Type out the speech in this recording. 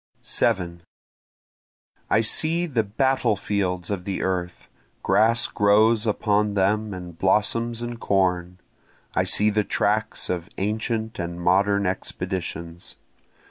7 I see the battle fields of the earth, grass grows upon them and blossoms and corn, I see the tracks of ancient and modern expeditions.